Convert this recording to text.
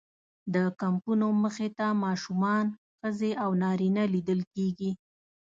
د کمپونو مخې ته ماشومان، ښځې او نارینه لیدل کېږي.